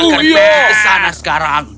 kita tidak akan kembali ke sana sekarang